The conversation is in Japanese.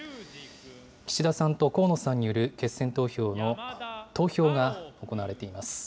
岸田さんと河野さんによる決選投票の投票が行われています。